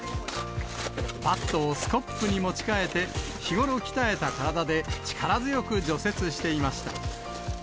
バットをスコップに持ち替えて、日頃鍛えた体で力強く除雪していました。